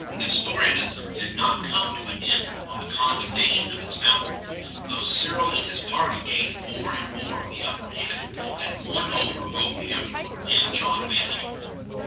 Nestorianism did not come to an end on the condem nation of its founder, though Cyril and his party gained more and more the upper hand and won over both the emperor and John of Antioch.